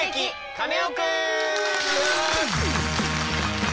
カネオくん」！